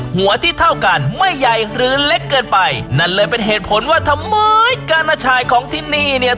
หัวที่เท่ากันไม่ใหญ่หรือเล็กเกินไปนั่นเลยเป็นเหตุผลว่าทำไมการอาชายของที่นี่เนี่ย